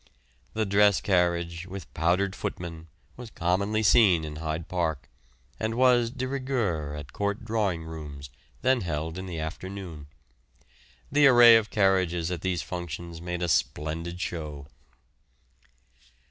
The dress carriage, with powdered footmen, was commonly seen in Hyde Park, and was de rigeur at Court drawing rooms, then held in the afternoon; the array of carriages at these functions made a splendid show.